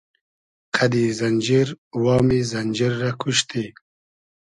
قئدی زئنجیر وامی زئنجیر رۂ کوشتی